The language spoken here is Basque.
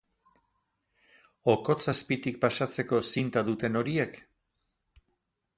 Okotz azpitik pasatzeko zinta duten horiek?